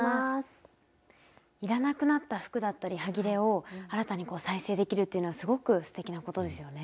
いらなくなった服だったりはぎれを新たに再生できるっていうのはすごくすてきなことですよね。